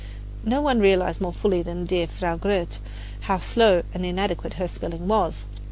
No one realized more fully than dear Frau Grote how slow and inadequate her spelling was.